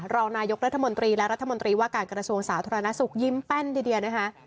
รองนายกรัฐมนตรีและรัฐมนตรีว่าการกระทรวงสาธารณสุขยิ้มแป้นทีเดียวนะคะ